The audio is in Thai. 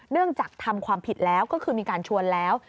จากทำความผิดแล้วก็คือมีการชวนแล้ว